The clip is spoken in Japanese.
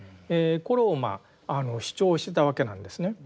これを主張してたわけなんですね。